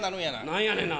何やねんな。